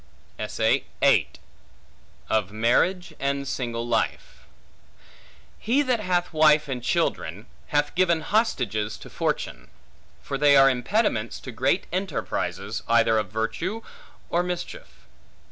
Of Marriage And Single Life HE THAT hath wife and children hath given hostages to fortune; for they are impediments to great enterprises, either of virtue or mischief.